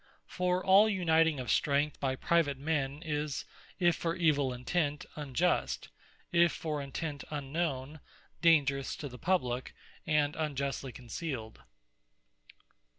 For all uniting of strength by private men, is, if for evill intent, unjust; if for intent unknown, dangerous to the Publique, and unjustly concealed.